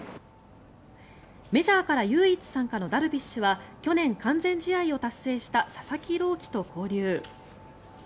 メジャーから唯一参加のダルビッシュは去年、完全試合を達成した佐々木朗希と交流。